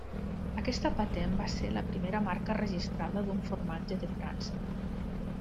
Aquesta patent va ser la primera marca registrada d'un formatge de França.